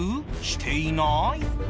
していない？